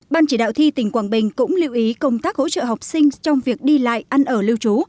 ban chỉ đạo thi tỉnh quảng bình cũng lưu ý công tác hỗ trợ học sinh trong việc đi lại ăn ở lưu trú